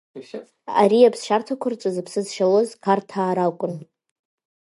Ари аԥсшьарҭақәа рҿы зыԥсы зшьалоз Қарҭаа ракәын…